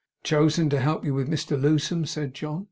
'Chosen to help you with Mr Lewsome!' said John.